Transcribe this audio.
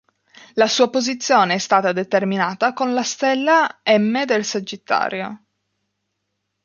La sua posizione è stata determinata con la stella m del Sagittario.